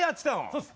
そうです。